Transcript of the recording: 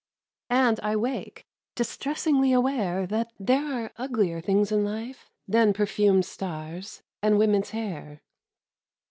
— And I wake, distressingly aware That there are uglier things in life Than perfumed stars and women's hair.